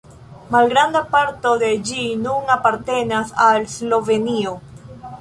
Malgranda parto de ĝi nun apartenas al Slovenio.